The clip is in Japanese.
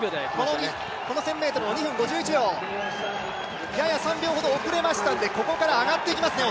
この１０００ｍを２分３９秒３秒ほど遅れましたので、ここから上がっていきますね。